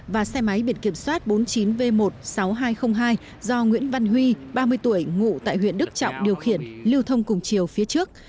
và xe máy biển kiểm soát bốn mươi chín v một mươi sáu nghìn hai trăm linh hai do nguyễn văn huy ba mươi tuổi ngụ tại huyện đức trọng điều khiển lưu thông cùng chiều phía trước